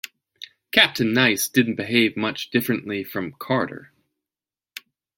Captain Nice didn't behave much differently from Carter.